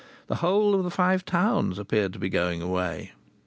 The whole of the Five Towns appeared to be going away.